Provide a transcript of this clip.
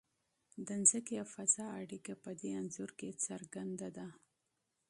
د ځمکې او فضا اړیکه په دې انځور کې څرګنده ده.